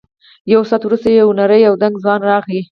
یو ساعت وروسته یو نری او دنګ ځوان راغی.